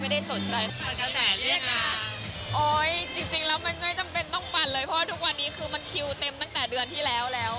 เพราะว่าทุกวันนี้คือมันคิวเต็มตั้งแต่เดือนที่แล้วแล้ว